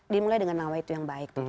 dimulai dengan nawaitu yang baik